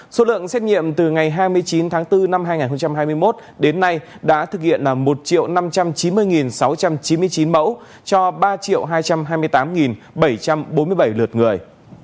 số lượng xét nghiệm từ ngày hai mươi chín tháng bốn năm hai nghìn hai mươi một đến nay đã thực hiện là một năm trăm chín mươi sáu trăm chín mươi chín mẫu cho ba hai trăm hai mươi tám bảy trăm bốn mươi bảy lượt người